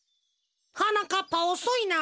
はなかっぱおそいな。